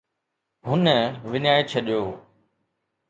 هن وڃائي ڇڏيو